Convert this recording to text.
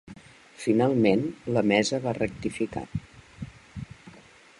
Finalment la mesa va rectificar.